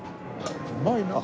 うまいなあ。